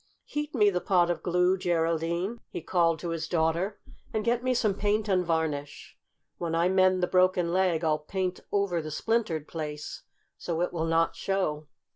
"Heat me the pot of glue, Geraldine," he called to his daughter, "and get me some paint and varnish. When I mend the broken leg I'll paint over the splintered place, so it will not show."